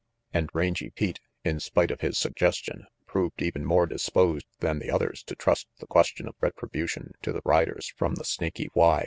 And Rangy Pete, in spite of his suggestion, proved even more disposed than the others to trust the question of retribution to the riders from the Snaky Y.